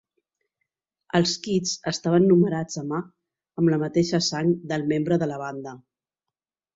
Els kits estaven numerats a mà amb la mateixa sang del membre de la banda.